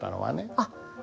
あっ。